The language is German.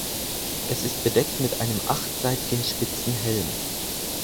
Es ist bedeckt mit einem achtseitigen spitzen Helm.